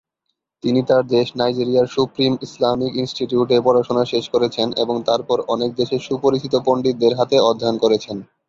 তিনি তার দেশ নাইজেরিয়ার সুপ্রিম ইসলামিক ইনস্টিটিউটে পড়াশোনা শেষ করেছেন এবং তারপর অনেক দেশের সুপরিচিত পণ্ডিতদের হাতে অধ্যয়ন করেছেন।